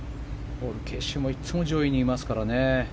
ポール・ケーシーもいつも上位にいますからね。